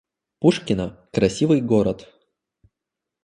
Пушкино — красивый город